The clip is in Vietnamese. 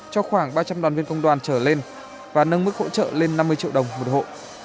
cho khoảng ba trăm linh đoàn viên công đoàn trở lên và nâng mức hỗ trợ lên năm mươi triệu đồng một hộ